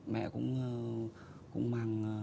mẹ cũng mang